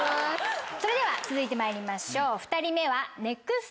それでは続いてまいりましょう。